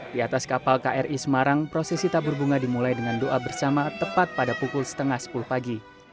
di atas kapal kri semarang prosesi tabur bunga dimulai dengan doa bersama tepat pada pukul setengah sepuluh pagi